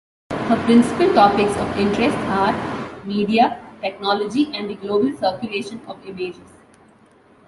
Her principal topics of interest are media, technology, and the global circulation of images.